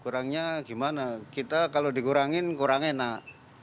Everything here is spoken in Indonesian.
kurangnya gimana kita kalau dikurangin kurang enak